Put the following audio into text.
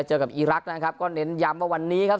เจอกับอีรักษ์นะครับก็เน้นย้ำว่าวันนี้ครับ